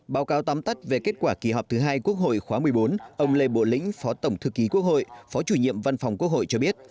báo cáo tóm tắt về kết quả kỳ họp thứ hai quốc hội khóa một mươi bốn ông lê bộ lĩnh phó tổng thư ký quốc hội phó chủ nhiệm văn phòng quốc hội cho biết